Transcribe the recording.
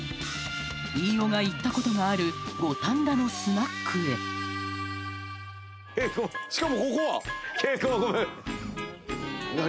飯尾が行ったことがある五反田のスナックへしかもここは！何？